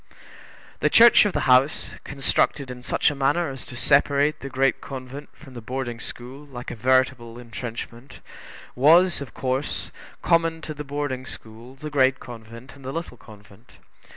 The church of the house, constructed in such a manner as to separate the Great Convent from the Boarding school like a veritable intrenchment, was, of course, common to the Boarding school, the Great Convent, and the Little Convent.